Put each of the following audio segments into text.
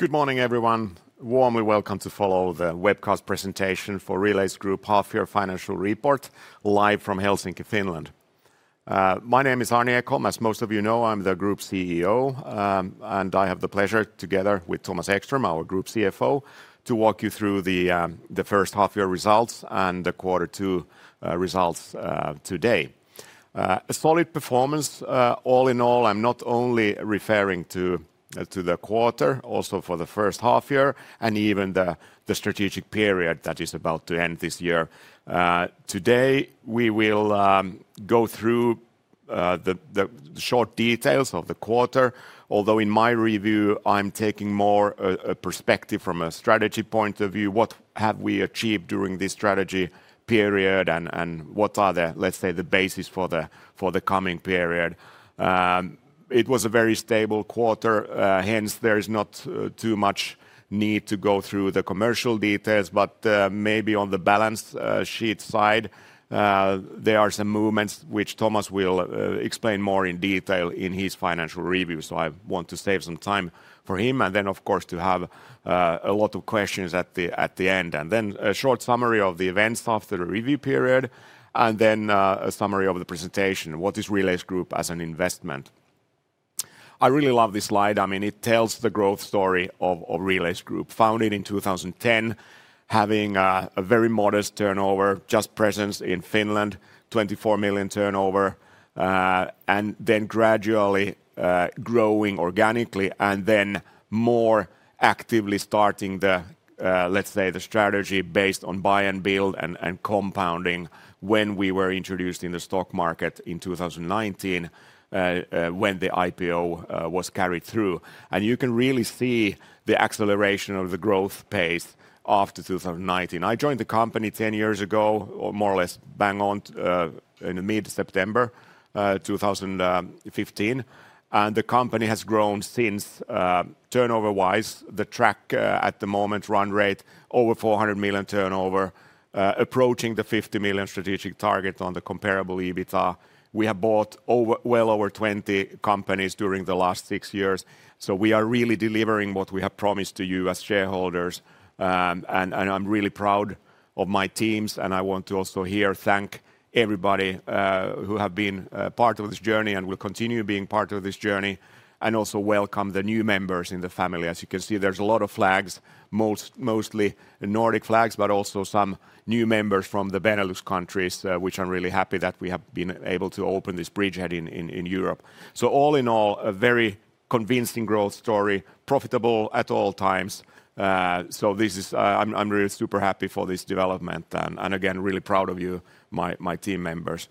Good morning, everyone. Warmly welcome to follow the webcast presentation for Relais Group's Half-year Financial Report, live from Helsinki, Finland. My name is Arni Ekholm. As most of you know, I'm the Group CEO, and I have the pleasure, together with Thomas Ekström, our Group CFO, to walk you through the first half-year results and the quarter two results today. A solid performance all in all. I'm not only referring to the quarter, also for the first half-year, and even the strategic period that is about to end this year. Today, we will go through the short details of the quarter, although in my review, I'm taking more a perspective from a strategy point of view. What have we achieved during this strategy period, and what are the, let's say, the basis for the coming period? It was a very stable quarter. Hence, there's not too much need to go through the commercial details, but maybe on the balance sheet side, there are some movements which Thomas will explain more in detail in his financial review. I want to save some time for him, and then, of course, to have a lot of questions at the end. Then a short summary of the events after the review period, and then a summary of the presentation. What is Relais Group as an investment? I really love this slide. I mean, it tells the growth story of Relais Group, founded in 2010, having a very modest turnover, just presence in Finland, 24 million turnover, and then gradually growing organically, and then more actively starting the, let's say, the strategy based on buy-and-build and compounding when we were introduced in the stock market in 2019, when the IPO was carried through. You can really see the acceleration of the growth pace after 2019. I joined the company 10 years ago, or more or less bang on, in mid-September 2015. The company has grown since, turnover-wise, the track at the moment, run rate, over 400 million turnover, approaching the 50 million strategic target on the comparable EBITDA. We have bought well over 20 companies during the last six years. We are really delivering what we have promised to you as shareholders. I'm really proud of my teams, and I want to also here thank everybody who have been part of this journey and will continue being part of this journey, and also welcome the new members in the family. As you can see, there's a lot of flags, mostly Nordic flags, but also some new members from the Benelux countries, which I'm really happy that we have been able to open this bridgehead in Europe. All in all, a very convincing growth story, profitable at all times. I'm really super happy for this development, and again, really proud of you, my team members.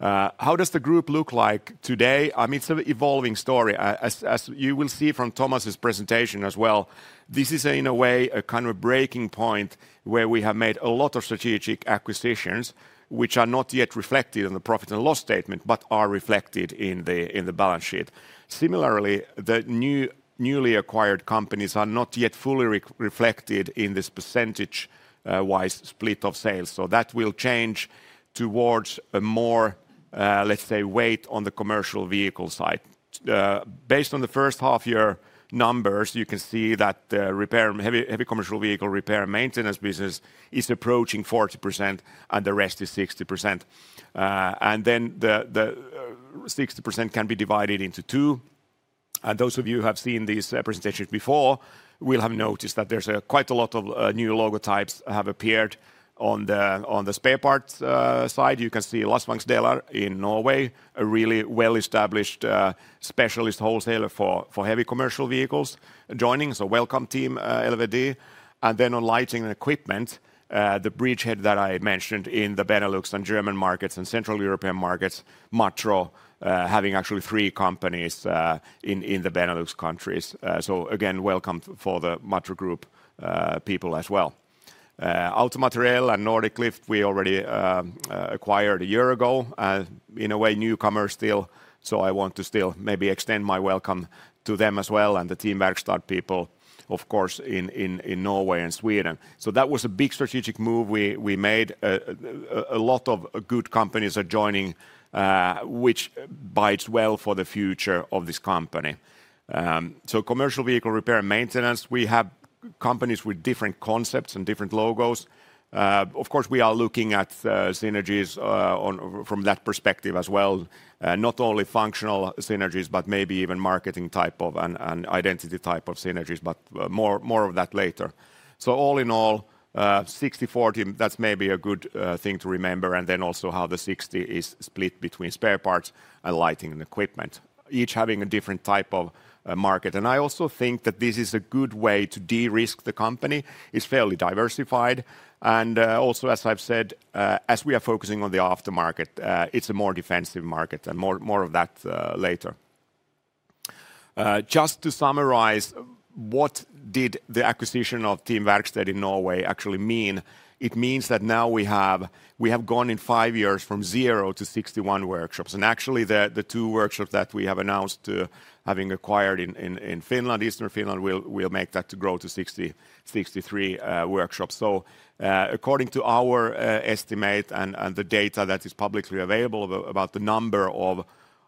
How does the group look like today? I mean, it's an evolving story. As you will see from Thomas's presentation as well, this is in a way a kind of breaking point where we have made a lot of strategic acquisitions, which are not yet reflected in the profit and loss statement, but are reflected in the balance sheet. Similarly, the newly acquired companies are not yet fully reflected in this percentage split of sales. That will change towards a more, let's say, weight on the commercial vehicle side. Based on the first half-year numbers, you can see that the heavy commercial vehicle repair maintenance business is approaching 40%, and the rest is 60%. The 60% can be divided into two. Those of you who have seen these presentations before will have noticed that there's quite a lot of new logotypes that have appeared on the spare parts side. You can see Lastvangsdaler in Norway, a really well-established specialist wholesaler for heavy commercial vehicles joining. Welcome, team LVD. On lighting and equipment, the bridgehead that I mentioned in the Benelux and German markets and Central European markets, Matro, having actually three companies in the Benelux countries. Again, welcome for the Matro Group people as well. AutoMateriell and Nordic Lift, we already acquired a year ago. In a way, newcomers still. I want to still maybe extend my welcome to them as well, and the Team Verksted people, of course, in Norway and Sweden. That was a big strategic move we made. A lot of good companies are joining, which bodes well for the future of this company. Commercial vehicle repair and maintenance, we have companies with different concepts and different logos. Of course, we are looking at synergies from that perspective as well. Not only functional synergies, but maybe even marketing type of and identity type of synergies, but more of that later. All in all, 60/40, that's maybe a good thing to remember. Also, how the 60 is split between spare parts and lighting and equipment, each having a different type of market. I also think that this is a good way to de-risk the company. It's fairly diversified. As I've said, as we are focusing on the aftermarket, it's a more defensive market, and more of that later. Just to summarize, what did the acquisition of Team Verksted in Norway actually mean? It means that now we have gone in five years from zero to 61 workshops. The two workshops that we have announced having acquired in Finland, Eastern Finland, will make that grow to 63 workshops. According to our estimate and the data that is publicly available about the number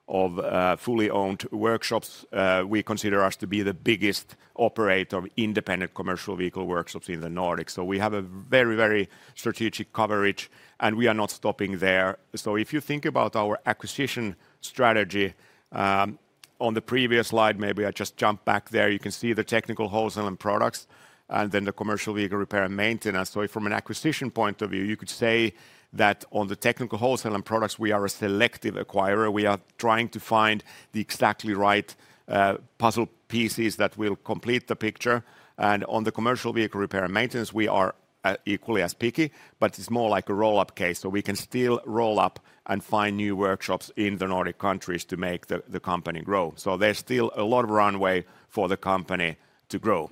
of fully owned workshops, we consider us to be the biggest operator of independent commercial vehicle workshops in the Nordics. We have a very, very strategic coverage, and we are not stopping there. If you think about our acquisition strategy, on the previous slide, maybe I just jump back there. You can see the technical wholesale and products, and then the commercial vehicle repair and maintenance. From an acquisition point of view, you could say that on the technical wholesale and products, we are a selective acquirer. We are trying to find the exactly right puzzle pieces that will complete the picture. On the commercial vehicle repair and maintenance, we are equally as picky, but it's more like a roll-up case. We can still roll up and find new workshops in the Nordic countries to make the company grow. There is still a lot of runway for the company to grow.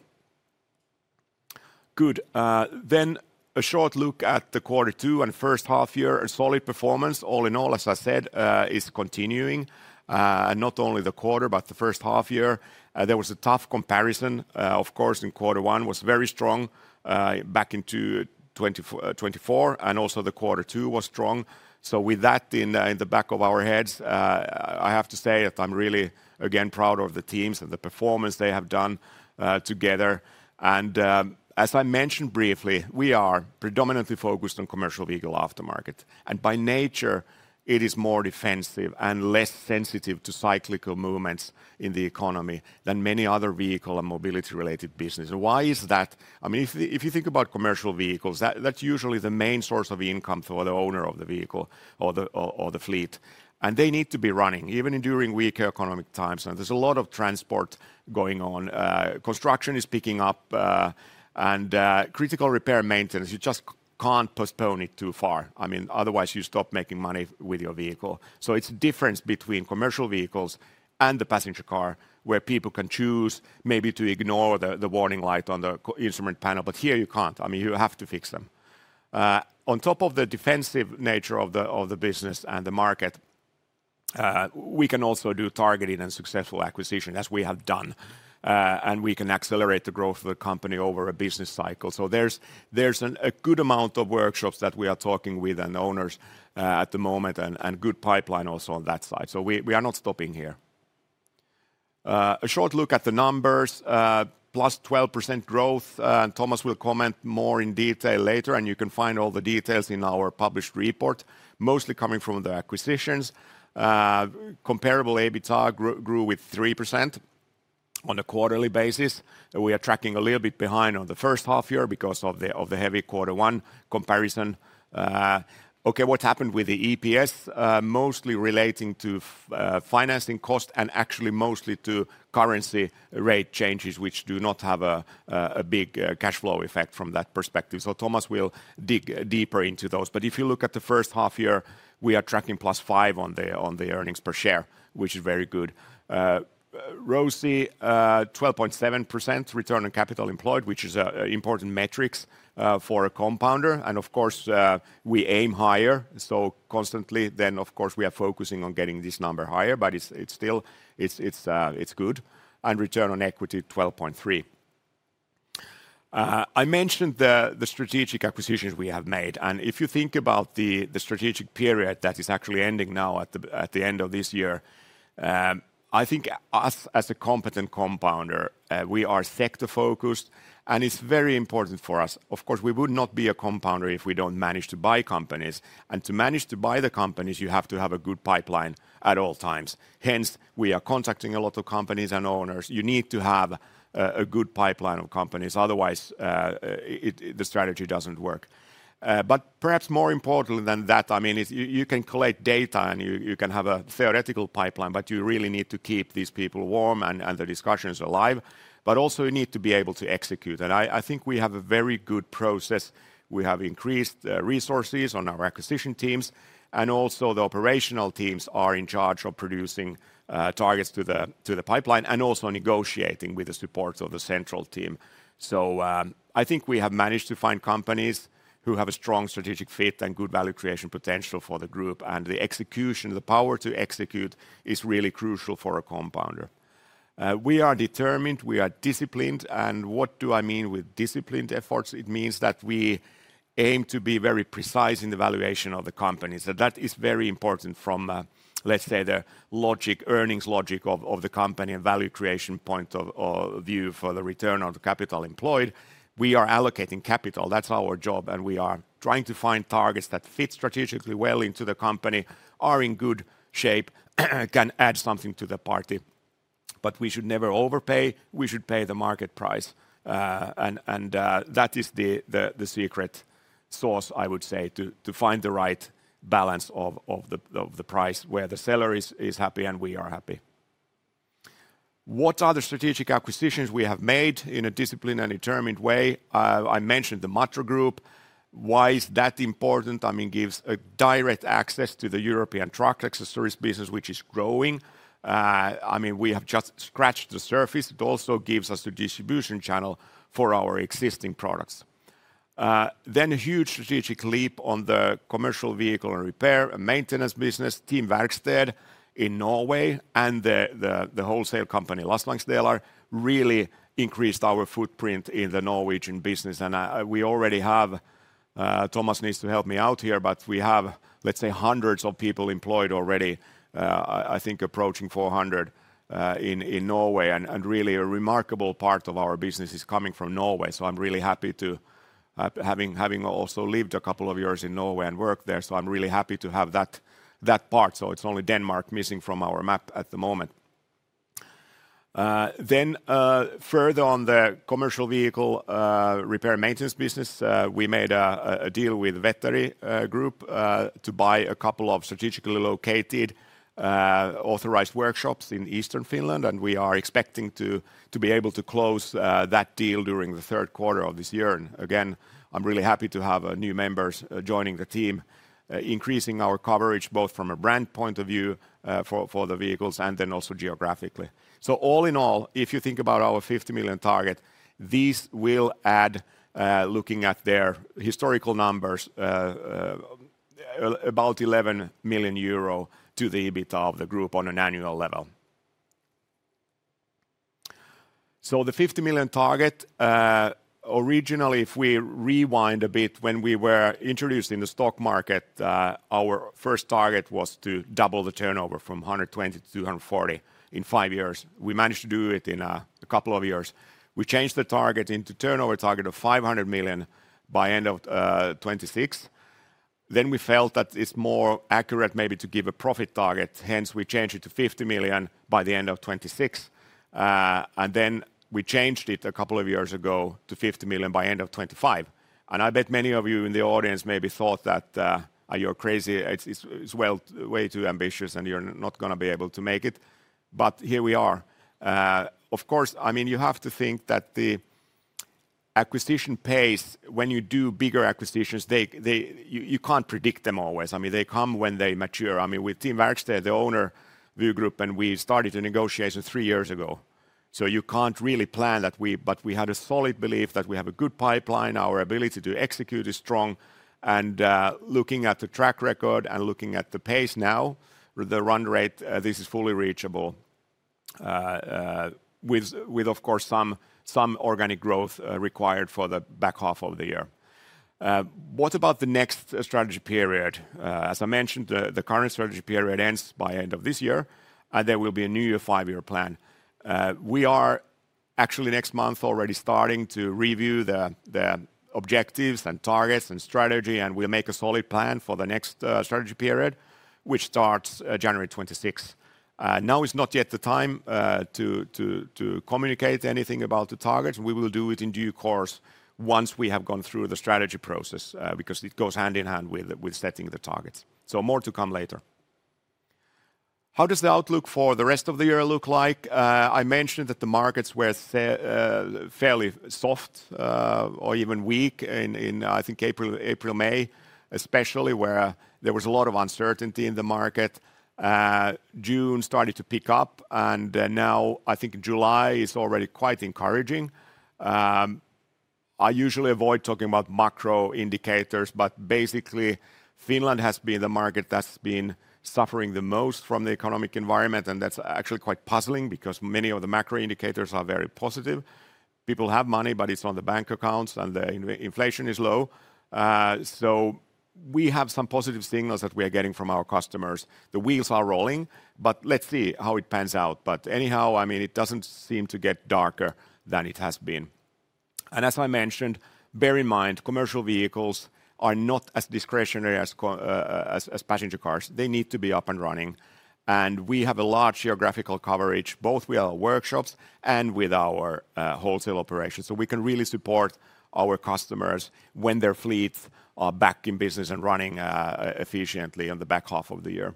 A short look at the quarter two and first half-year. A solid performance, all in all, as I said, is continuing. Not only the quarter, but the first half-year. There was a tough comparison. Of course, in quarter one was very strong back into 2024, and also the quarter two was strong. With that in the back of our heads, I have to say that I'm really, again, proud of the teams and the performance they have done together. As I mentioned briefly, we are predominantly focused on commercial vehicle aftermarket. By nature, it is more defensive and less sensitive to cyclical movements in the economy than many other vehicle and mobility-related businesses. Why is that? If you think about commercial vehicles, that's usually the main source of income for the owner of the vehicle or the fleet. They need to be running, even during weaker economic times. There is a lot of transport going on. Construction is picking up. Critical repair and maintenance, you just can't postpone it too far. I mean, otherwise, you stop making money with your vehicle. It's a difference between commercial vehicles and the passenger car, where people can choose maybe to ignore the warning light on the instrument panel, but here you can't. You have to fix them. On top of the defensive nature of the business and the market, we can also do targeted and successful acquisitions, as we have done. We can accelerate the growth of the company over a business cycle. There's a good amount of workshops that we are talking with owners at the moment, and a good pipeline also on that side. We are not stopping here. A short look at the numbers: +12% growth. Thomas will comment more in detail later, and you can find all the details in our published report, mostly coming from the acquisitions. Comparable EBITDA grew with 3% on a quarterly basis. We are tracking a little bit behind on the first half-year because of the heavy quarter one comparison. What happened with the EPS? Mostly relating to financing cost and actually mostly to currency rate changes, which do not have a big cash flow effect from that perspective. Thomas will dig deeper into those. If you look at the first half-year, we are tracking +5% on the earnings per share, which is very good. ROCI, 12.7% return on capital employed, which is an important metric for a compounder. Of course, we aim higher. Constantly, we are focusing on getting this number higher, but it's good. Return on equity, 12.3%. I mentioned the strategic acquisitions we have made. If you think about the strategic period that is actually ending now at the end of this year, I think us as a competent compounder, we are sector-focused, and it's very important for us. We would not be a compounder if we don't manage to buy companies. To manage to buy the companies, you have to have a good pipeline at all times. Hence, we are contacting a lot of companies and owners. You need to have a good pipeline of companies. Otherwise, the strategy doesn't work. Perhaps more important than that, you can collect data, and you can have a theoretical pipeline, but you really need to keep these people warm and the discussions alive. You need to be able to execute. I think we have a very good process. We have increased resources on our acquisition teams, and also the operational teams are in charge of producing targets to the pipeline and also negotiating with the support of the central team. I think we have managed to find companies who have a strong strategic fit and good value creation potential for the group. The execution, the power to execute, is really crucial for a compounder. We are determined. We are disciplined. What do I mean with disciplined efforts? It means that we aim to be very precise in the valuation of the companies. That is very important from, let's say, the earnings logic of the company and value creation point of view for the return on capital employed. We are allocating capital. That's our job. We are trying to find targets that fit strategically well into the company, are in good shape, and can add something to the party. We should never overpay. We should pay the market price. That is the secret sauce, I would say, to find the right balance of the price where the seller is happy and we are happy. What other strategic acquisitions we have made in a disciplined and determined way? I mentioned the Matro Group. Why is that important? I mean, it gives direct access to the European truck accessories business, which is growing. I mean, we have just scratched the surface. It also gives us a distribution channel for our existing products. A huge strategic leap on the commercial vehicle and repair and maintenance business, Team Verksted in Norway, and the wholesale company, Lastvangsdaler, really increased our footprint in the Norwegian business. We already have, Thomas needs to help me out here, but we have, let's say, hundreds of people employed already, I think approaching 400 in Norway. A remarkable part of our business is coming from Norway. I'm really happy to have also lived a couple of years in Norway and worked there. I'm really happy to have that part. It's only Denmark missing from our map at the moment. Further on the commercial vehicle repair and maintenance business, we made a deal with Wetteri Group to buy a couple of strategically located authorized workshops in Eastern Finland. We are expecting to be able to close that deal during the third quarter of this year. I'm really happy to have new members joining the team, increasing our coverage both from a brand point of view for the vehicles and also geographically. All in all, if you think about our 50 million target, these will add, looking at their historical numbers, about 11 million euro to the EBITDA of the group on an annual level. The 50 million target, originally, if we rewind a bit, when we were introduced in the stock market, our first target was to double the turnover from 120 million-240 million in five years. We managed to do it in a couple of years. We changed the target into a turnover target of 500 million by the end of 2026. We felt that it's more accurate maybe to give a profit target. Hence, we changed it to 50 million by the end of 2026. We changed it a couple of years ago to 50 million by the end of 2025. I bet many of you in the audience maybe thought that you're crazy. It's way too ambitious, and you're not going to be able to make it. Here we are. You have to think that the acquisition pace, when you do bigger acquisitions, you can't predict them always. They come when they mature. With Team Verksted the owner of the group, we started the negotiations three years ago. You can't really plan that. We had a solid belief that we have a good pipeline. Our ability to execute is strong. Looking at the track record and looking at the pace now, the run rate, this is fully reachable, with, of course, some organic growth required for the back half of the year. What about the next strategy period? As I mentioned, the current strategy period ends by the end of this year. There will be a new five-year plan. We are actually next month already starting to review the objectives and targets and strategy. We'll make a solid plan for the next strategy period, which starts January 2026. Now is not yet the time to communicate anything about the targets. We will do it in due course once we have gone through the strategy process because it goes hand in hand with setting the targets. More to come later. How does the outlook for the rest of the year look like? I mentioned that the markets were fairly soft or even weak in, I think, April, May, especially, where there was a lot of uncertainty in the market. June started to pick up. Now, I think July is already quite encouraging. I usually avoid talking about macro indicators, but basically, Finland has been the market that's been suffering the most from the economic environment. That's actually quite puzzling because many of the macro indicators are very positive. People have money, but it's not the bank accounts, and the inflation is low. We have some positive signals that we are getting from our customers. The wheels are rolling, but let's see how it pans out. It doesn't seem to get darker than it has been. As I mentioned, bear in mind, commercial vehicles are not as discretionary as passenger cars. They need to be up and running. We have a large geographical coverage, both with our workshops and with our wholesale operations. We can really support our customers when their fleets are back in business and running efficiently on the back half of the year.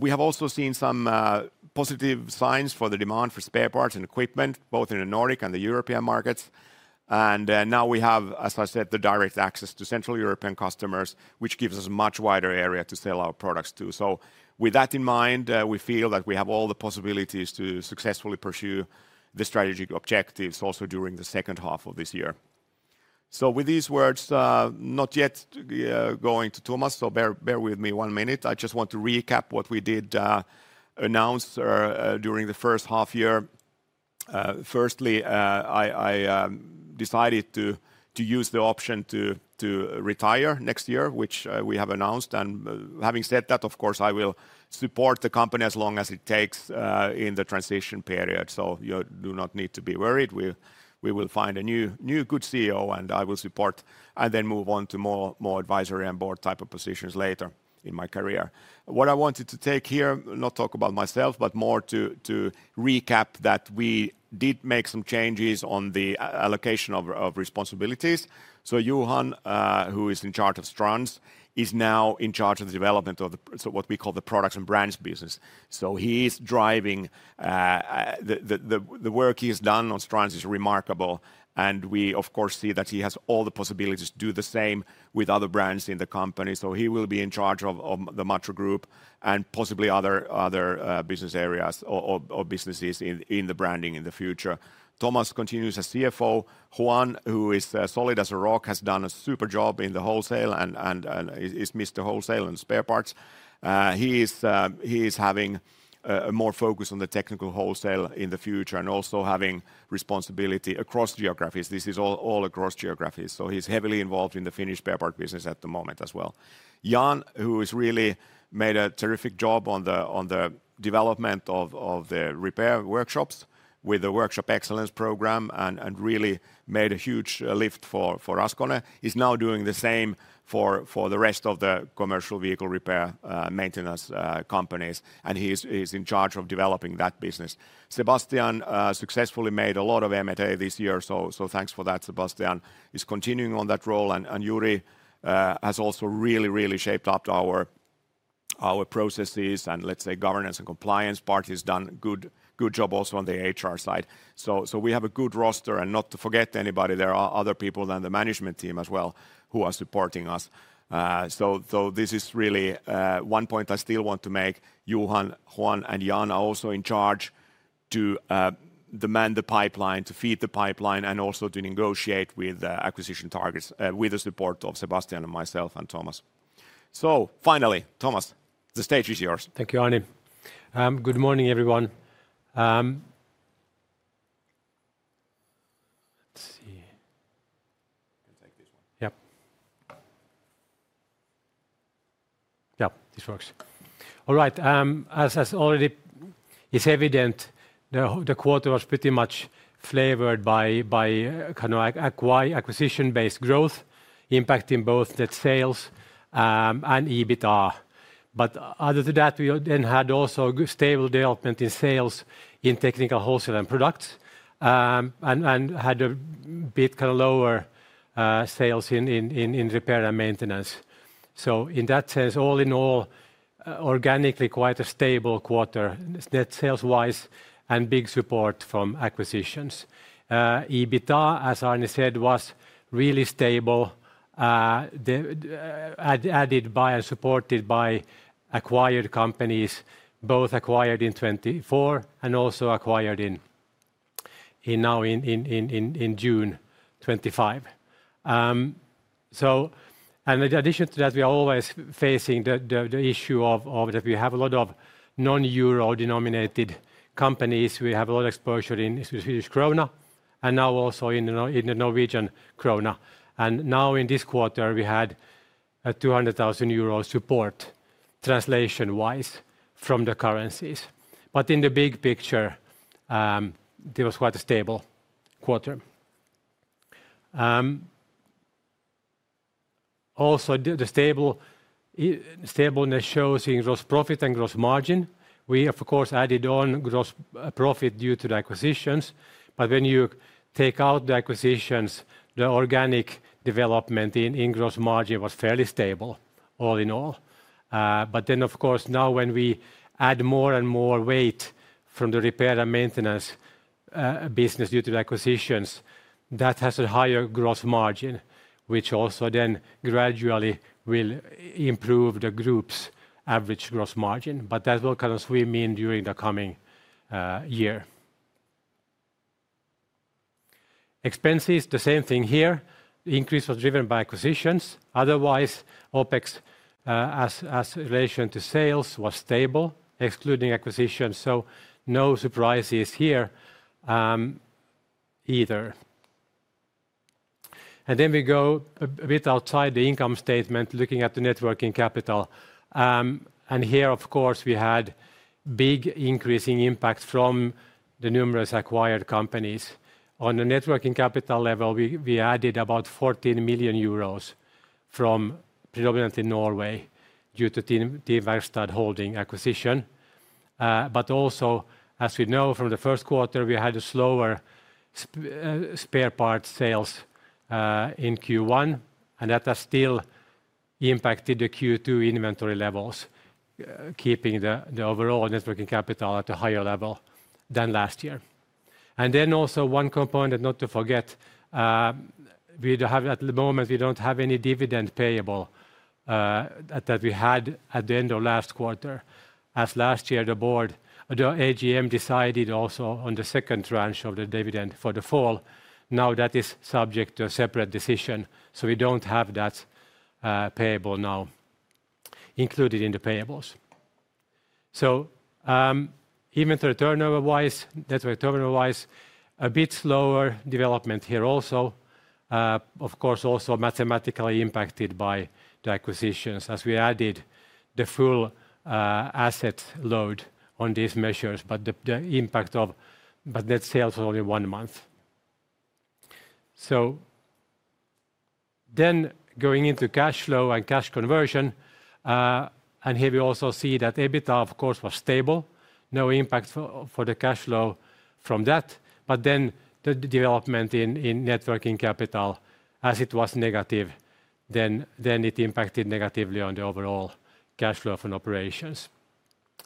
We have also seen some positive signs for the demand for spare parts and equipment, both in the Nordic and the European markets. Now we have, as I said, the direct access to Central European customers, which gives us a much wider area to sell our products to. With that in mind, we feel that we have all the possibilities to successfully pursue the strategic objectives also during the second half of this year. With these words, not yet going to Thomas, so bear with me one minute. I just want to recap what we did announce during the first half-year. Firstly, I decided to use the option to retire next year, which we have announced. Having said that, of course, I will support the company as long as it takes in the transition period. You do not need to be worried. We will find a new good CEO, and I will support, and then move on to more advisory and board type of positions later in my career. What I wanted to take here, not talk about myself, but more to recap that we did make some changes on the allocation of responsibilities. Johan, who is in charge of Strands, is now in charge of the development of what we call the products and brands business. He is driving the work he has done on Strands, which is remarkable. We, of course, see that he has all the possibilities to do the same with other brands in the company. He will be in charge of the Matro Group and possibly other business areas or businesses in the branding in the future. Thomas continues as CFO. Juan, who is solid as a rock, has done a super job in the wholesale and is Mr. Wholesale and Spare Parts. He is having more focus on the technical wholesale in the future and also having responsibility across geographies. This is all across geographies. He is heavily involved in the Finnish spare part business at the moment as well. Jan, who has really made a terrific job on the development of the repair workshops with the Workshop Excellence program and really made a huge lift for Raskone, is now doing the same for the rest of the commercial vehicle repair maintenance companies. He's in charge of developing that business. Sebastian successfully made a lot of M&A this year. Thanks for that, Sebastian. He's continuing on that role. Juri has also really, really shaped up our processes, and the governance and compliance part has done a good job also on the HR side. We have a good roster. Not to forget anybody, there are other people in the management team as well who are supporting us. This is really one point I still want to make. Johan, Juan, and Jan are also in charge to demand the pipeline, to feed the pipeline, and also to negotiate with the acquisition targets with the support of Sebastian and myself and Thomas. Finally, Thomas, the stage is yours. Thank you, Arni. Good morning, everyone. You can take this one. Yeah. Yeah, this works. All right. As already is evident, the quarter was pretty much flavored by kind of acquisition-based growth impacting both that sales and EBITDA. Other than that, we then had also stable development in sales in technical wholesale and products and had a bit kind of lower sales in repair and maintenance. In that sense, all in all, organically, quite a stable quarter that sales-wise and big support from acquisitions. EBITDA, as Arni said, was really stable, added by and supported by acquired companies, both acquired in 2024 and also acquired now in June 2025. In addition to that, we are always facing the issue of that we have a lot of non-euro denominated companies. We have a lot of exposure in Swedish krona and now also in the Norwegian krona. In this quarter, we had a 200,000 euro support translation-wise from the currencies. In the big picture, it was quite a stable quarter. Also, the stableness shows in gross profit and gross margin. We have, of course, added on gross profit due to the acquisitions. When you take out the acquisitions, the organic development in gross margin was fairly stable, all in all. Now when we add more and more weight from the repair and maintenance business due to the acquisitions, that has a higher gross margin, which also then gradually will improve the group's average gross margin. That will kind of swim in during the coming year. Expenses, the same thing here. The increase was driven by acquisitions. Otherwise, OpEx as relation to sales was stable, excluding acquisitions. No surprises here either. We go a bit outside the income statement, looking at the networking capital. Here, of course, we had big increasing impacts from the numerous acquired companies. On the networking capital level, we added about 14 million euros from predominantly Norway due to Team Verksted acquisition. Also, as we know from the first quarter, we had a slower spare parts sales in Q1. That has still impacted the Q2 inventory levels, keeping the overall networking capital at a higher level than last year. Also one component, not to forget, we don't have at the moment, we don't have any dividend payable that we had at the end of last quarter. As last year, the board, the AGM decided also on the second tranche of the dividend for the fall. Now that is subject to a separate decision. We don't have that payable now included in the payables. Even turnover-wise, that's where turnover-wise, a bit slower development here also. Of course, also mathematically impacted by the acquisitions as we added the full asset load on these measures. The impact of that sales was only one month. Going into cash flow and cash conversion, here we also see that EBITDA, of course, was stable. No impact for the cash flow from that. The development in working capital, as it was negative, impacted negatively on the overall cash flow from operations.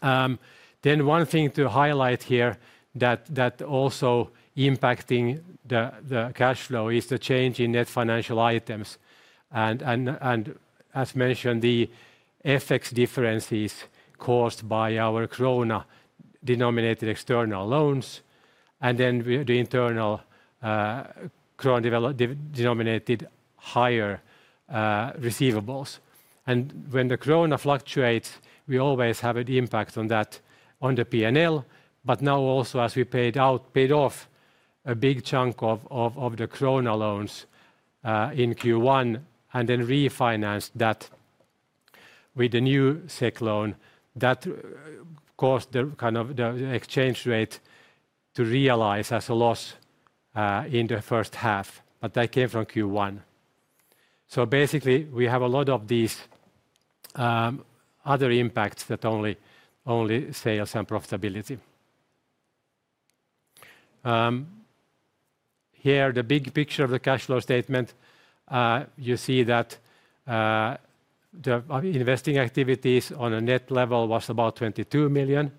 One thing to highlight here that also impacted the cash flow is the change in net financial items. As mentioned, the FX differences were caused by our krona-denominated external loans and the internal krona-denominated higher receivables. When the krona fluctuates, we always have an impact on that on the P&L. Now also, as we paid off a big chunk of the krona loans in Q1 and refinanced that with the new SEK loan, that caused the exchange rate to realize as a loss in the first half. That came from Q1. Basically, we have a lot of these other impacts than only sales and profitability. Here, the big picture of the cash flow statement, you see that the investing activities on a net level was about 22 million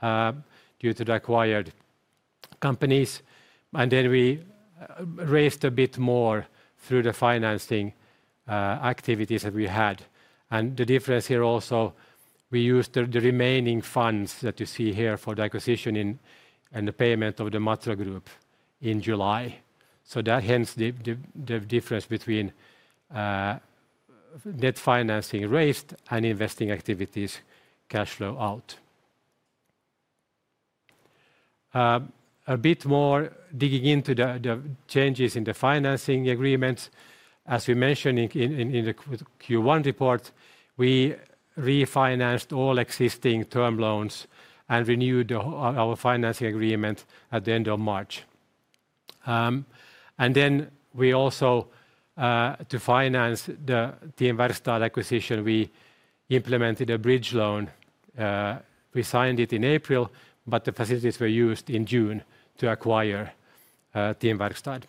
due to the acquired companies. We raised a bit more through the financing activities that we had. The difference here also, we used the remaining funds that you see here for the acquisition and the payment of the Matro Group in July. Hence the difference between net financing raised and investing activities cash flow out. A bit more digging into the changes in the financing agreements. As we mentioned in the Q1 report, we refinanced all existing term loans and renewed our financing agreement at the end of March. We also, to finance the Team Verksted acquisition, implemented a bridge loan. We signed it in April, but the facilities were used in June to acquire Team Verksted.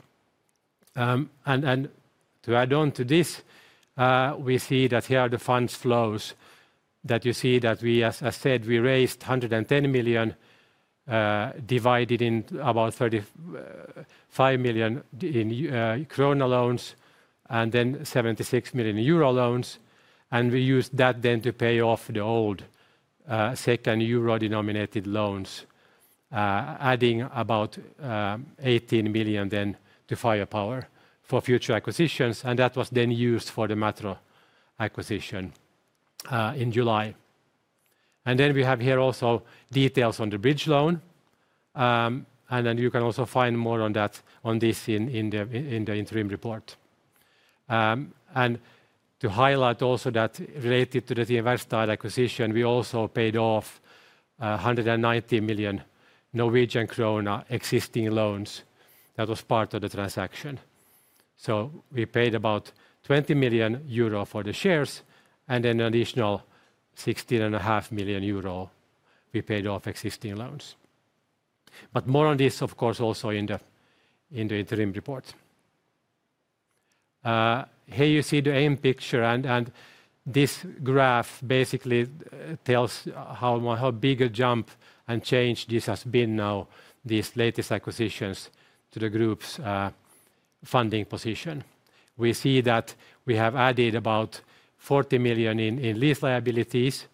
To add on to this, we see that here are the funds flows that you see that we, as I said, we raised 110 million divided in about 35 million in krona loans and then 76 million in euro loans. We used that then to pay off the old second euro-denominated loans, adding about 18 million then to firepower for future acquisitions. That was then used for the Matro acquisition in July. We have here also details on the bridge loan. You can also find more on this in the interim report. To highlight also that related to the Team Verksted acquisition, we also paid off 190 million Norwegian krone existing loans. That was part of the transaction. We paid about 20 million euro for the shares, and then an additional 16.5 million euro we paid off existing loans. More on this, of course, also in the interim report. Here you see the end picture. This graph basically tells how big a jump and change this has been now, these latest acquisitions to the group's funding position. We see that we have added about 40 million in lease liabilities,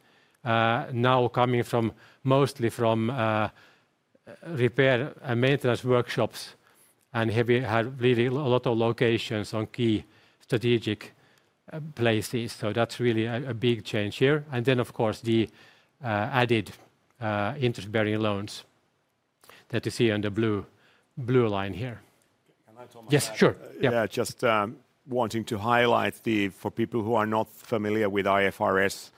now coming mostly from repair and maintenance workshops. Here we have really a lot of locations on key strategic places. That's really a big change here. Of course, the added interest-bearing loans that you see on the blue line here. Can I, Thomas? Yes, sure. Yeah, just wanting to highlight for people who are not familiar with IFRS,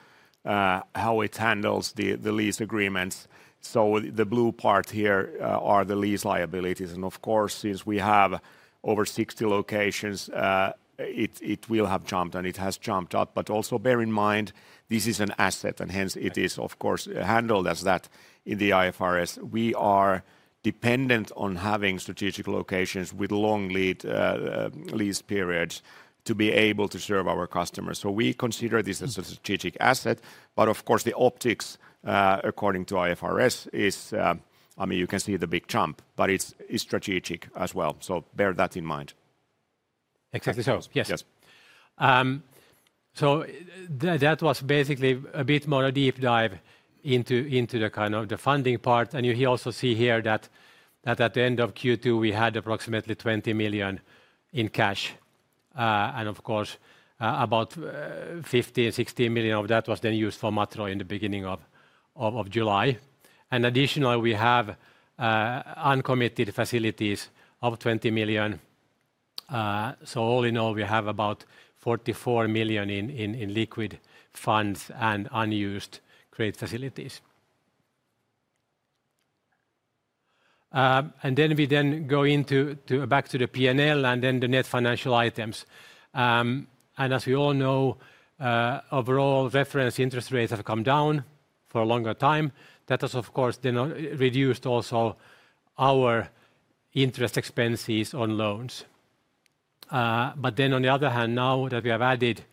how it handles the lease agreements. The blue part here are the lease liabilities. Of course, since we have over 60 locations, it will have jumped, and it has jumped up. Also bear in mind, this is an asset, and hence it is, of course, handled as that in the IFRS. We are dependent on having strategic locations with long lead lease periods to be able to serve our customers. We consider this as a strategic asset. Of course, the optics according to IFRS is, I mean, you can see the big jump, but it's strategic as well. Bear that in mind. Exactly so, yes. That was basically a bit more of a deep dive into the kind of the funding part. You also see here that at the end of Q2, we had approximately 20 million in cash. Of course, about 15 million-16 million of that was then used for Matro in the beginning of July. Additionally, we have uncommitted facilities of 20 million. All in all, we have about 44 million in liquid funds and unused credit facilities. We then go back to the P&L and the net financial items. As we all know, overall reference interest rates have come down for a longer time. That has, of course, then reduced also our interest expenses on loans. On the other hand, now that we have added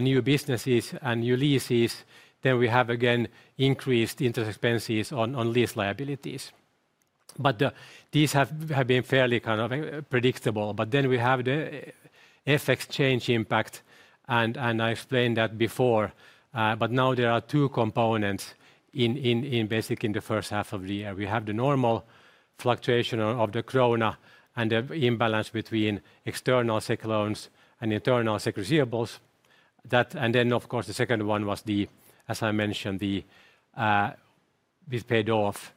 new businesses and new leases, we have again increased interest expenses on lease liabilities. These have been fairly kind of predictable. We have the FX change impact. I explained that before. Now there are two components in basically the first half of the year. We have the normal fluctuation of the krona and the imbalance between external SEK loans and internal SEK receivables. The second one was, as I mentioned, we paid off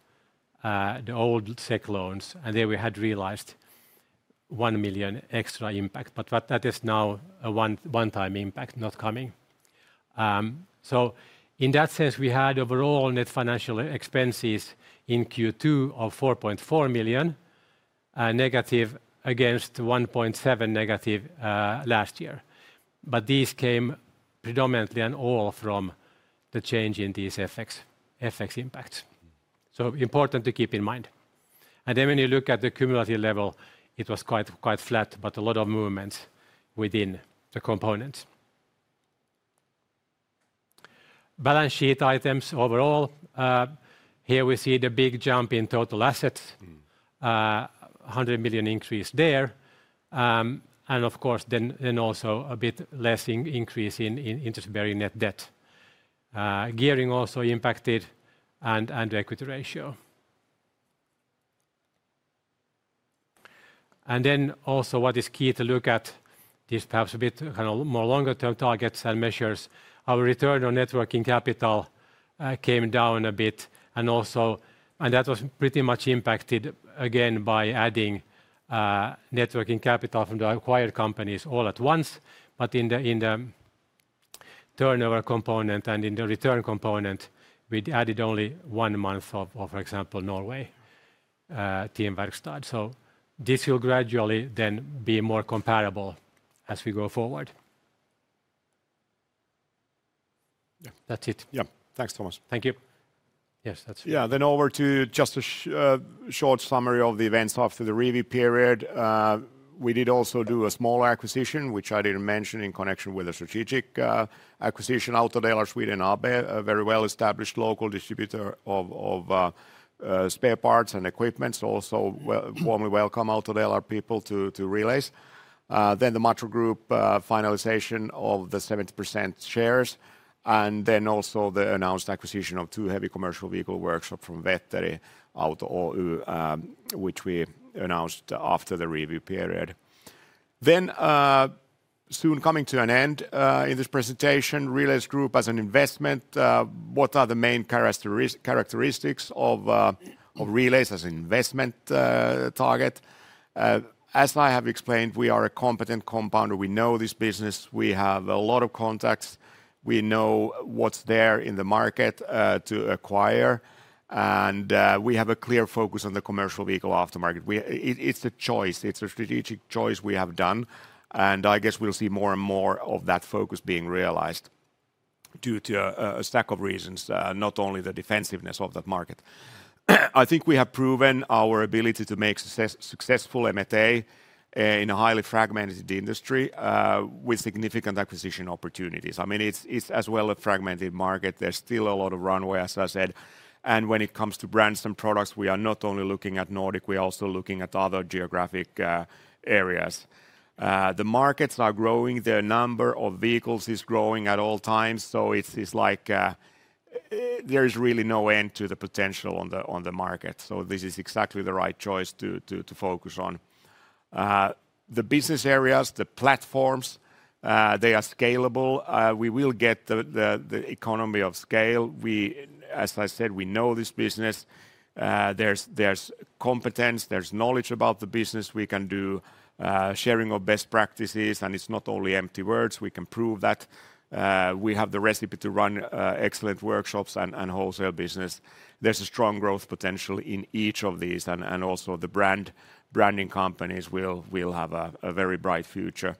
the old SEK loans. We had realized 1 million extra impact. That is now a one-time impact, not coming. In that sense, we had overall net financial expenses in Q2 of -4.4 million against -1.7 million last year. These came predominantly and all from the change in these FX impacts. Important to keep in mind. When you look at the cumulative level, it was quite flat, but a lot of movement within the components. Balance sheet items overall. Here we see the big jump in total assets, 100 million increase there. Of course, then also a bit less increase in interest-bearing net debt. Gearing also impacted and equity ratio. Also, what is key to look at, these types of a bit kind of more longer-term targets and measures, our return on net working capital came down a bit. That was pretty much impacted again by adding net working capital from the acquired companies all at once. In the turnover component and in the return component, we added only one month of, for example, Norway, Team Verksted. This will gradually then be more comparable as we go forward. Yeah, that's it. Yeah, thanks, Thomas. Thank you. Yes, that's it. Yeah, then over to just a short summary of the events after the review period. We did also do a smaller acquisition, which I didn't mention in connection with a strategic acquisition. Autodelar Sweden AB, a very well-established local distributor of spare parts and equipment. Also, warmly welcome Autodelar people to Relais. The Matro Group finalization of the 70% shares. Also, the announced acquisition of two heavy commercial vehicle workshops from Wetteri Auto, which we announced after the review period. Soon coming to an end in this presentation, Relais Group as an investment. What are the main characteristics of Relais as an investment target? As I have explained, we are a competent compounder. We know this business. We have a lot of contacts. We know what's there in the market to acquire. We have a clear focus on the commercial vehicle aftermarket. It's a choice. It's a strategic choice we have done. I guess we'll see more and more of that focus being realized due to a stack of reasons, not only the defensiveness of that market. I think we have proven our ability to make successful M&A in a highly fragmented industry with significant acquisition opportunities. It's as well a fragmented market. There's still a lot of runway, as I said. When it comes to brands and products, we are not only looking at Nordics. We are also looking at other geographic areas. The markets are growing. The number of vehicles is growing at all times. It's like there is really no end to the potential on the market. This is exactly the right choice to focus on. The business areas, the platforms, they are scalable. We will get the economy of scale. As I said, we know this business. There's competence. There's knowledge about the business. We can do sharing of best practices. It's not only empty words. We can prove that. We have the recipe to run excellent vehicle workshops and wholesale business. There's a strong growth potential in each of these. Also, the branding companies will have a very bright future.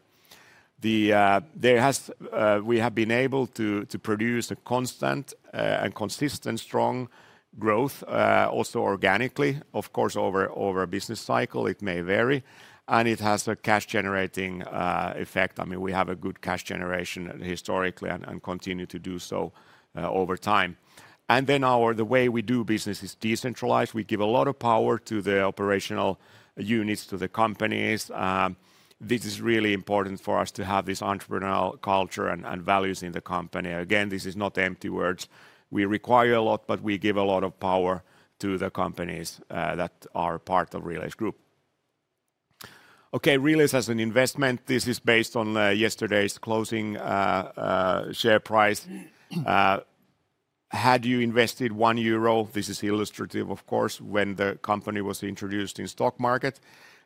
We have been able to produce a constant and consistent strong growth, also organically. Of course, over a business cycle, it may vary. It has a cash-generating effect. We have a good cash generation historically and continue to do so over time. The way we do business is decentralized. We give a lot of power to the operational units, to the companies. This is really important for us to have this entrepreneurial culture and values in the company. Again, this is not empty words. We require a lot, but we give a lot of power to the companies that are part of Relais Group. OK, Relais as an investment. This is based on yesterday's closing share price. Had you invested 1 euro, this is illustrative, of course, when the company was introduced in the stock market,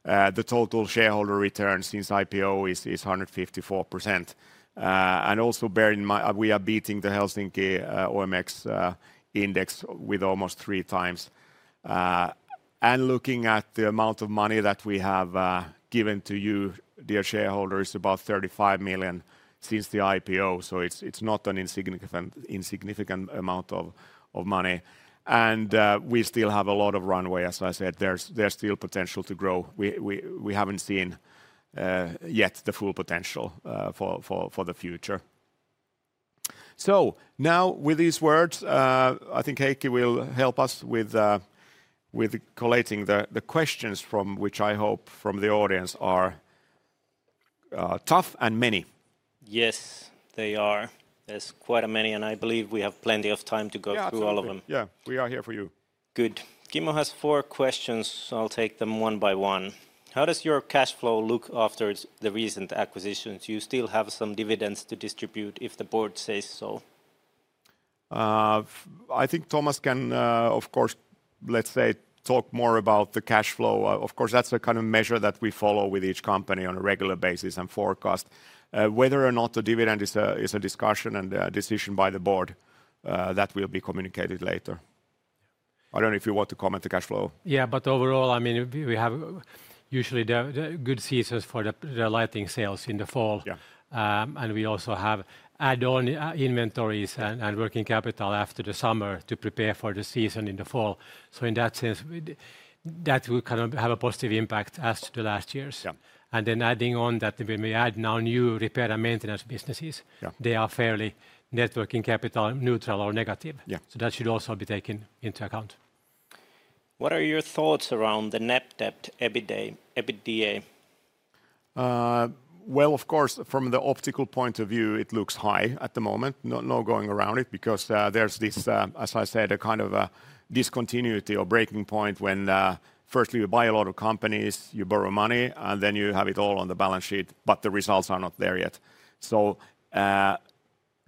the total shareholder return since IPO is 154%. Also, bear in mind, we are beating the Helsinki OMX index with almost 3x. Looking at the amount of money that we have given to you, dear shareholders, is about 35 million since the IPO. It's not an insignificant amount of money. We still have a lot of runway, as I said. There's still potential to grow. We haven't seen yet the full potential for the future. Now, with these words, I think Heikki will help us with collating the questions from which I hope from the audience are tough and many. Yes, they are. There's quite a many, and I believe we have plenty of time to go through all of them. Yeah, we are here for you. Good. Timo has four questions. I'll take them one by one. How does your cash flow look after the recent acquisitions? Do you still have some dividends to distribute if the board says so? I think Thomas can, of course, talk more about the cash flow. Of course, that's a kind of measure that we follow with each company on a regular basis and forecast. Whether or not the dividend is a discussion and a decision by the board, that will be communicated later. I don't know if you want to comment the cash flow. Yeah, but overall, I mean, we have usually the good seasons for the lighting sales in the fall. We also have add-on inventories and working capital after the summer to prepare for the season in the fall. In that sense, that will kind of have a positive impact as to the last years. Adding on that, when we add now new repair and maintenance businesses, they are fairly working capital neutral or negative. That should also be taken into account. What are your thoughts around the net debt/EBITDA? Of course, from the optical point of view, it looks high at the moment. There is no going around it because there's this, as I said, a kind of discontinuity or breaking point when firstly, you buy a lot of companies, you borrow money, and then you have it all on the balance sheet, but the results are not there yet.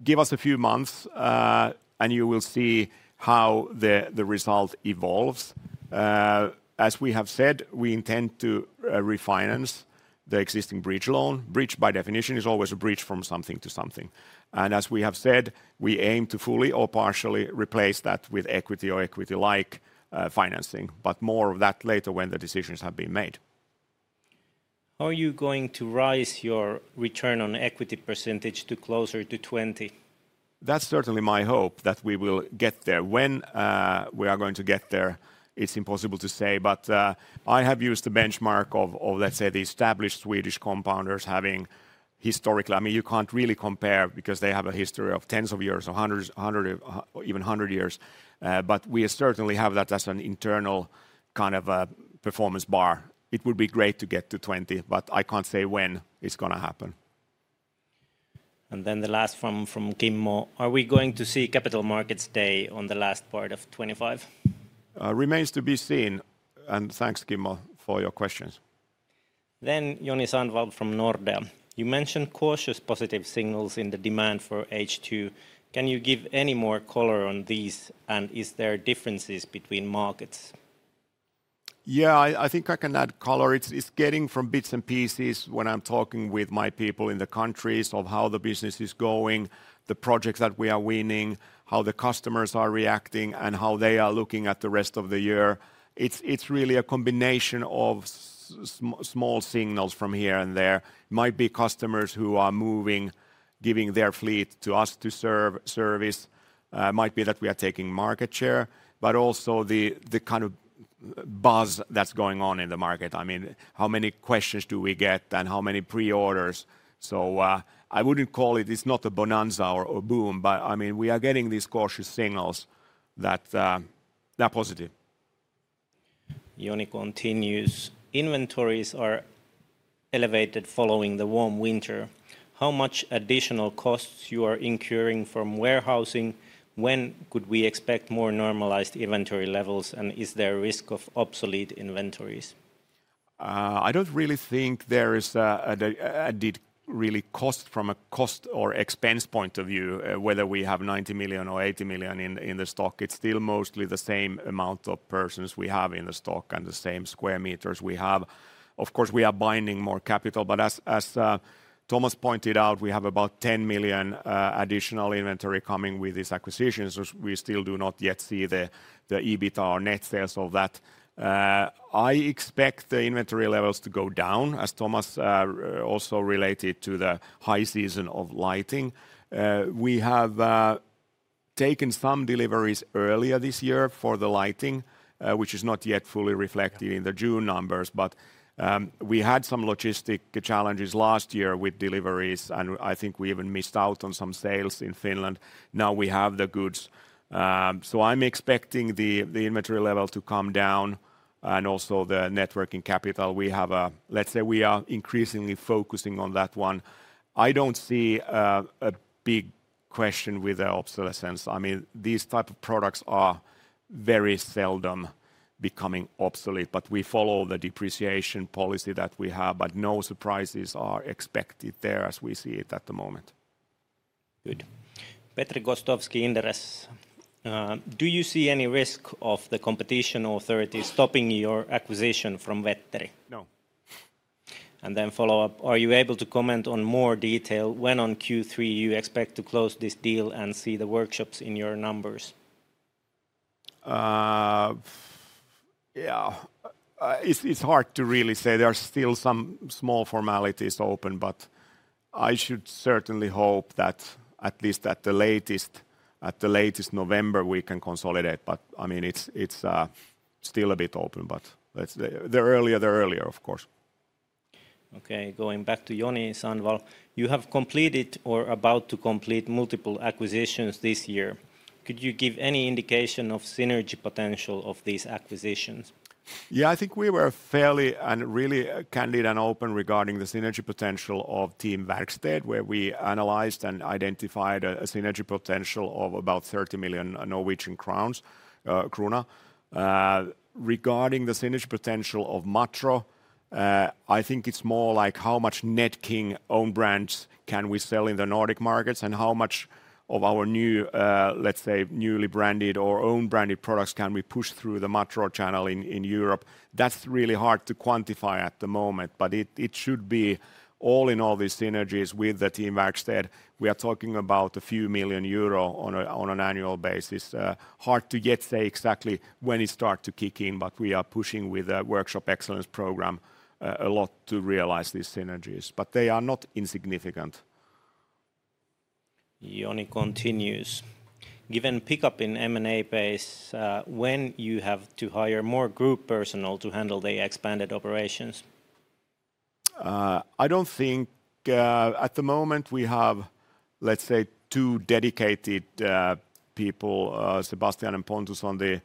Give us a few months, and you will see how the result evolves. As we have said, we intend to refinance the existing bridge loan. Bridge, by definition, is always a bridge from something to something. As we have said, we aim to fully or partially replace that with equity or equity-like financing. More of that later when the decisions have been made. Are you going to raise your return on equity percentage to closer to 20%? That's certainly my hope that we will get there. When we are going to get there, it's impossible to say. I have used the benchmark of, let's say, the established Swedish compounders having historically, I mean, you can't really compare because they have a history of tens of years or even 100 years. We certainly have that as an internal kind of performance bar. It would be great to get to 20%, but I can't say when it's going to happen. The last question from Kimmo: Are we going to see capital markets day in the last part of 2025? Remains to be seen. Thank you, Kimmo, for your questions. Jonny Sandvall from Nordea, you mentioned cautious positive signals in the demand for H2. Can you give any more color on these, and is there differences between markets? Yeah, I think I can add color. It's getting from bits and pieces when I'm talking with my people in the countries of how the business is going, the projects that we are winning, how the customers are reacting, and how they are looking at the rest of the year. It's really a combination of small signals from here and there. It might be customers who are moving, giving their fleet to us to serve service. It might be that we are taking market share, but also the kind of buzz that's going on in the market. I mean, how many questions do we get and how many pre-orders? I wouldn't call it, it's not a bonanza or boom, but I mean, we are getting these cautious signals that are positive. Inventories are elevated following the warm winter. How much additional costs are you incurring from warehousing? When could we expect more normalized inventory levels, and is there a risk of obsolete inventories? I don't really think there is a real cost from a cost or expense point of view, whether we have 90 million or 80 million in the stock. It's still mostly the same amount of persons we have in the stock and the same square meters we have. Of course, we are binding more capital. As Thomas pointed out, we have about 10 million additional inventory coming with these acquisitions. We still do not yet see the EBITDA or net sales of that. I expect the inventory levels to go down, as Thomas also related to the high season of lighting. We have taken some deliveries earlier this year for the lighting, which is not yet fully reflected in the June numbers. We had some logistic challenges last year with deliveries, and I think we even missed out on some sales in Finland. Now we have the goods. I'm expecting the inventory level to come down and also the working capital. We are increasingly focusing on that one. I don't see a big question with the obsolescence. These types of products are very seldom becoming obsolete. We follow the depreciation policy that we have. No surprises are expected there, as we see it at the moment. Good. Petri Gostovski in the rest: Do you see any risk of the competition authorities stopping your acquisition from Wetteri? No. Are you able to comment on more detail when on Q3 you expect to close this deal and see the workshops in your numbers? Yeah, it's hard to really say. There are still some small formalities open. I should certainly hope that at least at the latest November we can consolidate. It's still a bit open. The earlier, the earlier, of course. OK, going back to Jan: You have completed or are about to complete multiple acquisitions this year. Could you give any indication of synergy potential of these acquisitions? Yeah, I think we were fairly and really candid and open regarding the synergy potential of Team Verksted where we analyzed and identified a synergy potential of about NOK 30 million. Regarding the synergy potential of Matro, I think it's more like how much NetKing owned brands can we sell in the Nordic markets and how much of our new, let's say, newly branded or owned branded products can we push through the Matro channel in Europe. That's really hard to quantify at the moment. It should be, all in all, these synergies with Team Verksted we are talking about a few million euro on an annual basis. It's hard to yet say exactly when it starts to kick in. We are pushing with the Workshop Excellence program a lot to realize these synergies. They are not insignificant. Given pickup in M&A base, when you have to hire more group personnel to handle the expanded operations? I don't think at the moment we have, let's say, two dedicated people, Sebastian and Pontus, on the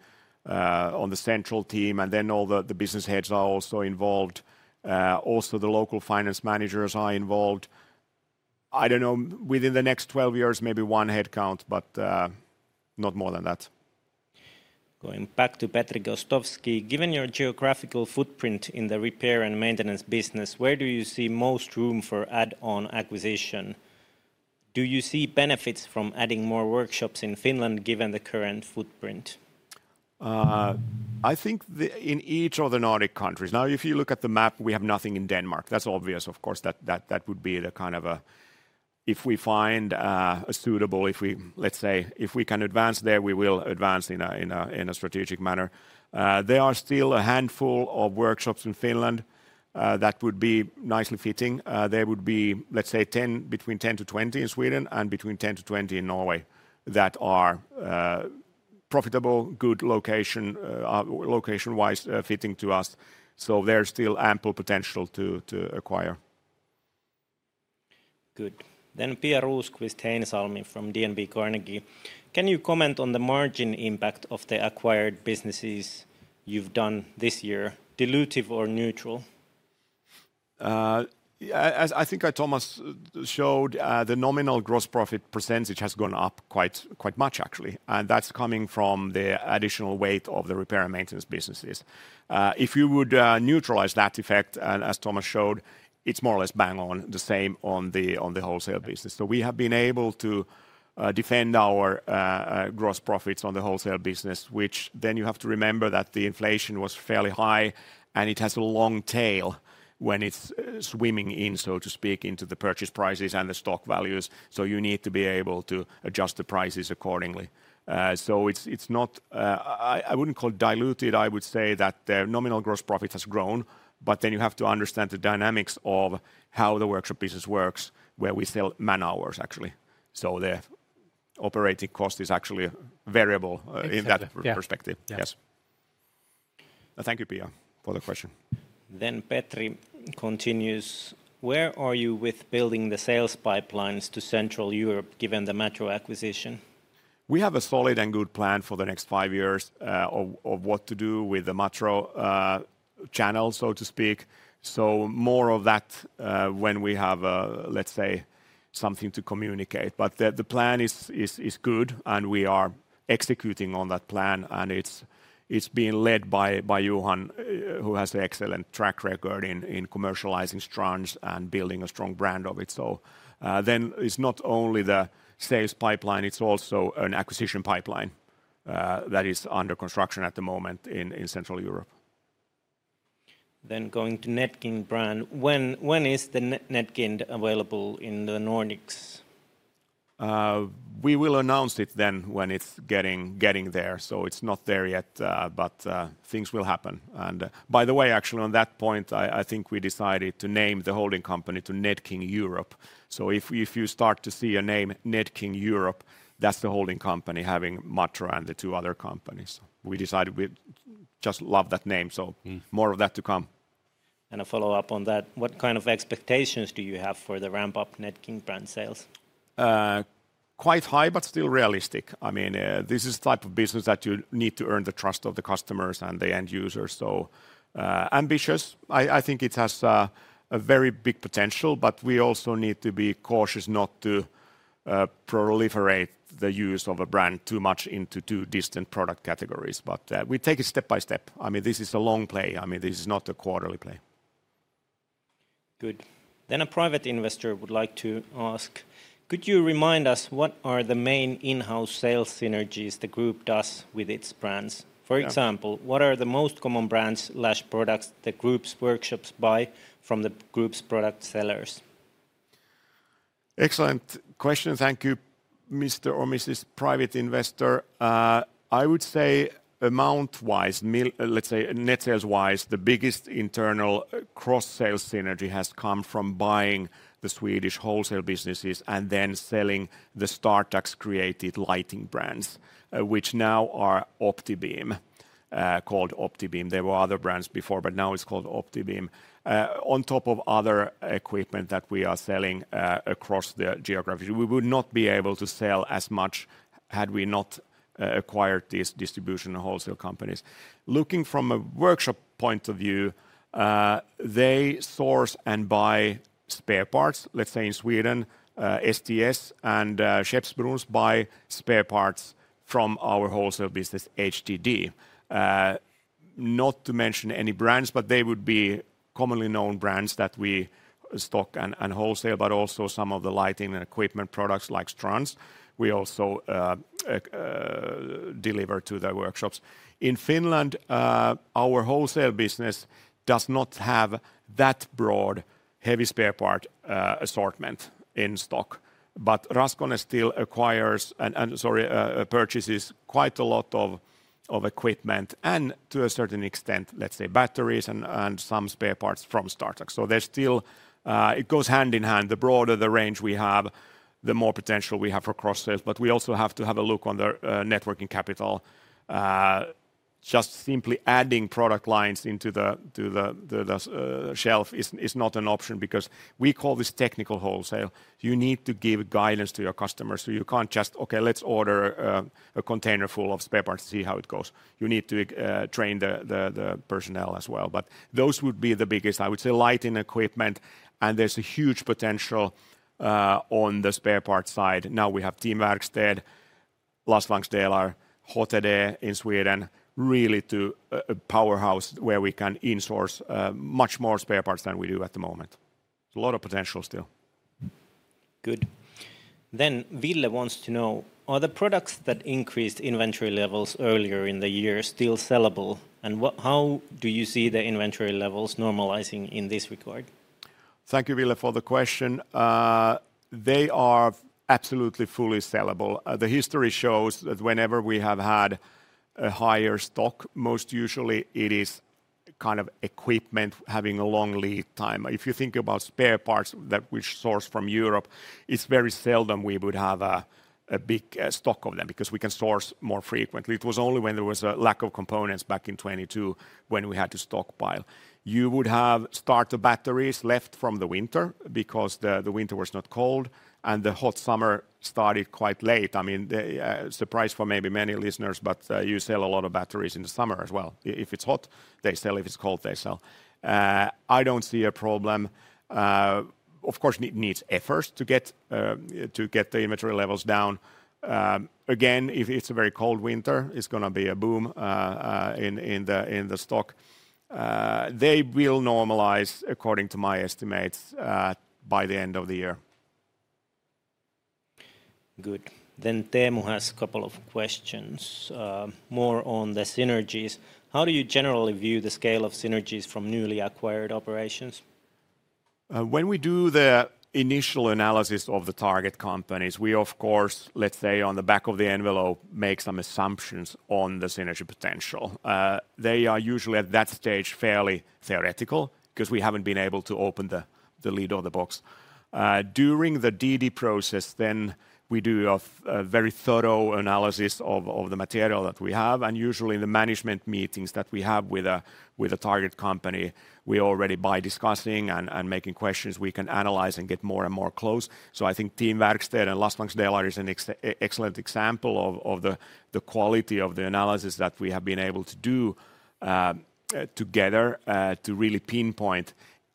central team. All the business heads are also involved. Also, the local finance managers are involved. I don't know, within the next 12 years, maybe one headcount, but not more than that. Going back to Petri Gostovski: Given your geographical footprint in the repair and maintenance business, where do you see most room for add-on acquisition? Do you see benefits from adding more workshops in Finland, given the current footprint? I think in each of the Nordic countries. Now, if you look at the map, we have nothing in Denmark. That's obvious, of course, that would be the kind of a, if we find a suitable, if we, let's say, if we can advance there, we will advance in a strategic manner. There are still a handful of workshops in Finland that would be nicely fitting. There would be, let's say, between 10 to 20 in Sweden and between 10 to 20 in Norway that are profitable, good location-wise fitting to us. There's still ample potential to acquire. Good. Pierre Roosquist Heinsalmi from DNB Carnegie: Can you comment on the margin impact of the acquired businesses you've done this year, dilutive or neutral? I think, as Thomas showed, the nominal gross profit percentage has gone up quite much, actually. That's coming from the additional weight of the repair and maintenance businesses. If you would neutralize that effect, and as Thomas showed, it's more or less bang on the same on the wholesale business. We have been able to defend our gross profits on the wholesale business, which you have to remember that the inflation was fairly high. It has a long tail when it's swimming in, so to speak, into the purchase prices and the stock values. You need to be able to adjust the prices accordingly. It's not, I wouldn't call it diluted. I would say that the nominal gross profit has grown. You have to understand the dynamics of how the workshop business works, where we sell man hours, actually. The operating cost is actually variable in that perspective. Yes. Thank you, Pierre, for the question. Petri continues: Where are you with building the sales pipelines to Central Europe, given the Matro acquisition? We have a solid and good plan for the next five years of what to do with the Matro channel, so to speak. More of that when we have, let's say, something to communicate. The plan is good, and we are executing on that plan. It's being led by Johan, who has an excellent track record in commercializing Strands and building a strong brand of it. It's not only the sales pipeline. It's also an acquisition pipeline that is under construction at the moment in Central Europe. Going to NetKing brand: When is the NetKing available in the Nordics? We will announce it when it's getting there. It's not there yet. Things will happen. By the way, actually, on that point, I think we decided to name the holding company NetKing Europe. If you start to see the name NetKing Europe, that's the holding company having Matro and the two other companies. We decided we just love that name. More of that to come. What kind of expectations do you have for the ramp-up NetKing brand sales? Quite high, but still realistic. I mean, this is the type of business that you need to earn the trust of the customers and the end users. Ambitious. I think it has a very big potential. We also need to be cautious not to proliferate the use of a brand too much into too distant product categories. We take it step by step. I mean, this is a long play. I mean, this is not a quarterly play. Good. A private investor would like to ask: Could you remind us what are the main in-house sales synergies the group does with its brands? For example, what are the most common brands/products the group's workshops buy from the group's product sellers? Excellent question. Thank you, Mr. or Mrs. Private investor. I would say amount-wise, let's say net sales-wise, the biggest internal cross-sales synergy has come from buying the Swedish wholesale businesses and then selling the Startax-created lighting brands, which now are OptiBeam, called OptiBeam. There were other brands before, but now it's called OptiBeam, on top of other equipment that we are selling across the geography. We would not be able to sell as much had we not acquired these distribution and wholesale companies. Looking from a workshop point of view, they source and buy spare parts, let's say in Sweden, STS and Schepsbrunns, buy spare parts from our wholesale business, HTD. Not to mention any brands, but they would be commonly known brands that we stock and wholesale, but also some of the lighting and equipment products like Strands, we also deliver to the workshops. In Finland, our wholesale business does not have that broad heavy spare part assortment in stock. Raskonen still acquires and, sorry, purchases quite a lot of equipment and, to a certain extent, let's say batteries and some spare parts from Startax. It goes hand in hand. The broader the range we have, the more potential we have for cross-sales. We also have to have a look on the working capital. Just simply adding product lines to the shelf is not an option because we call this technical wholesale. You need to give guidance to your customers. You can't just, OK, let's order a container full of spare parts and see how it goes. You need to train the personnel as well. Those would be the biggest, I would say, lighting equipment. There's a huge potential on the spare parts side. Now we have Team Verksted, Lastvangsdaler, Hoteday in Sweden, really a powerhouse where we can insource much more spare parts than we do at the moment. A lot of potential still. Good. Ville wants to know: Are the products that increased inventory levels earlier in the year still sellable? How do you see the inventory levels normalizing in this regard? Thank you, Ville, for the question. They are absolutely fully sellable. The history shows that whenever we have had a higher stock, most usually it is kind of equipment having a long lead time. If you think about spare parts that we source from Europe, it's very seldom we would have a big stock of them because we can source more frequently. It was only when there was a lack of components back in 2022 when we had to stockpile. You would have starter batteries left from the winter because the winter was not cold and the hot summer started quite late. I mean, surprise for maybe many listeners, but you sell a lot of batteries in the summer as well. If it's hot, they sell. If it's cold, they sell. I don't see a problem. Of course, it needs efforts to get the inventory levels down. Again, if it's a very cold winter, it's going to be a boom in the stock. They will normalize, according to my estimates, by the end of the year. Good. Temu has a couple of questions, more on the synergies. How do you generally view the scale of synergies from newly acquired operations? When we do the initial analysis of the target companies, we, of course, let's say on the back of the envelope, make some assumptions on the synergy potential. They are usually at that stage fairly theoretical because we haven't been able to open the lid of the box. During the DD process, we do a very thorough analysis of the material that we have. Usually, in the management meetings that we have with a target company, we already, by discussing and making questions, can analyze and get more and more close. I think Team Verksted and Lastvangsdaler is an excellent example of the quality of the analysis that we have been able to do together to really pinpoint.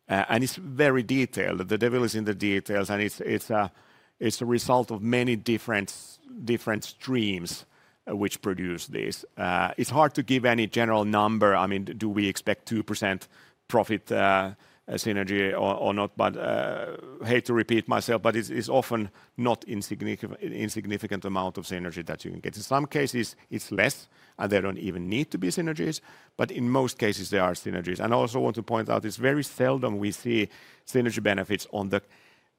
It's very detailed. The devil is in the details. It's a result of many different streams which produce this. It's hard to give any general number. I mean, do we expect 2% profit synergy or not? I hate to repeat myself, but it's often not an insignificant amount of synergy that you can get. In some cases, it's less. They don't even need to be synergies. In most cases, there are synergies. I also want to point out, it's very seldom we see synergy benefits on the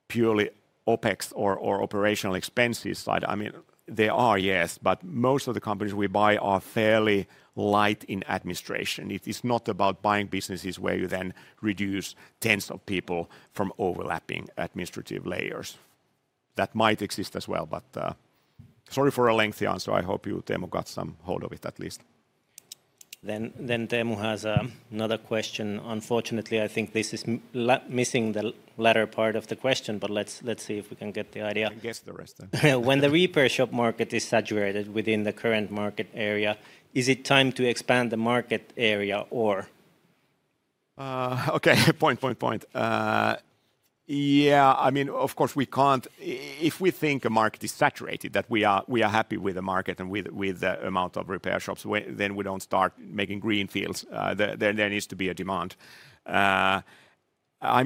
purely OpEx or operational expenses side. I mean, there are, yes. Most of the companies we buy are fairly light in administration. It is not about buying businesses where you then reduce tens of people from overlapping administrative layers. That might exist as well. Sorry for a lengthy answer. I hope Temu got some hold of it at least. Temu has another question. Unfortunately, I think this is missing the latter part of the question. Let's see if we can get the idea. I guess the rest. When the repair shop market is saturated within the current market area, is it time to expand the market area or? Yeah, I mean, of course, we can't. If we think a market is saturated, that we are happy with the market and with the amount of repair shops, then we don't start making greenfields. There needs to be a demand. I'm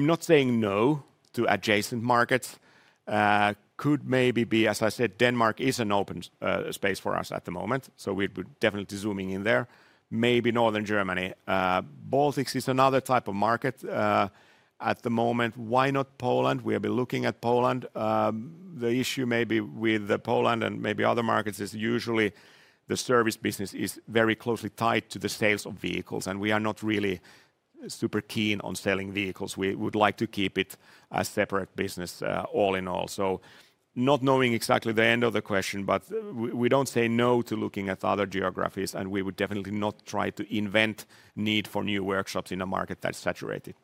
not saying no to adjacent markets. Could maybe be, as I said, Denmark is an open space for us at the moment. We're definitely zooming in there. Maybe Northern Germany. Baltics is another type of market at the moment. Why not Poland? We have been looking at Poland. The issue maybe with Poland and maybe other markets is usually the service business is very closely tied to the sales of vehicles. We are not really super keen on selling vehicles. We would like to keep it a separate business all in all. Not knowing exactly the end of the question, but we don't say no to looking at other geographies. We would definitely not try to invent the need for new workshops in a market that's saturated.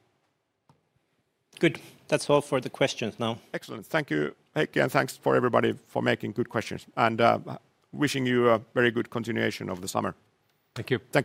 Good. That's all for the questions now. Excellent. Thank you again. Thank you everybody for making good questions. Wishing you a very good continuation of the summer. Thank you. Thank you.